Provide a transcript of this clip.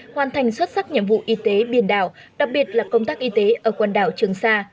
hoàn thành xuất sắc nhiệm vụ y tế biển đảo đặc biệt là công tác y tế ở quần đảo trường sa